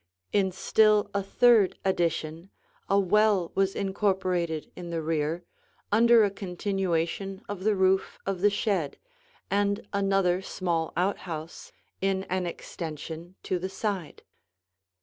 In still a third addition, a well was incorporated in the rear, under a continuation of the roof of the shed, and another small outhouse in an extension to the side.